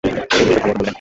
হেই, ওকে ভালোমতো বলে দে!